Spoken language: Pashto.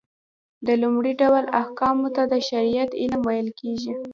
د لومړي ډول احکامو ته د شريعت علم ويل کېږي .